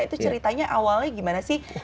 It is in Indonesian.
itu ceritanya awalnya gimana sih